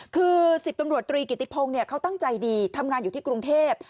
คือ๑๐ตำรวจตรีกิติพงศ์เขาตั้งใจดีทำงานอยู่ที่กรุงเทพ